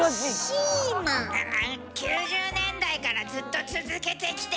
９０年代からずっと続けてきて。